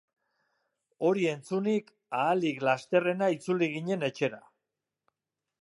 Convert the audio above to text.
Hori entzunik, ahalik lasterrena itzuli ginen etxera.